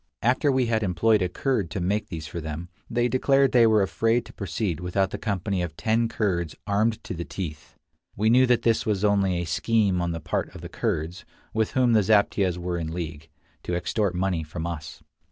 After we had employed a Kurd to make these for them, they declared they were afraid to proceed without the company of ten Kurds armed to the teeth. We knew that this was only a scheme on the part of the Kurds, with whom the zaptiehs were in league, to extort money from us.